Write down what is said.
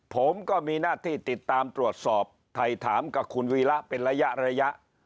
ผมก็มีหน้าที่ติดตามตรวจสอบถ่ายถามกับคุณวีระเป็นระยะ